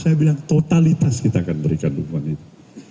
saya bilang totalitas kita akan berikan dukungan itu